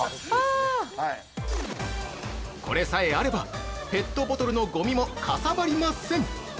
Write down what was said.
◆これさえあれば、ペットボトルのごみもかさばりません。